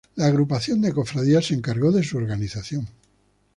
La Agrupación de Cofradías se encargó de su organización.